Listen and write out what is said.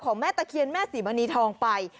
แม่ตะเคียนแม่ศรีมณีทองไป